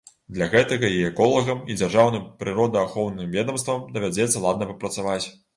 Для гэтага і эколагам, і дзяржаўным прыродаахоўным ведамствам давядзецца ладна папрацаваць.